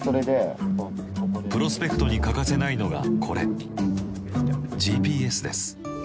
プロスペクトに欠かせないのがこれＧＰＳです。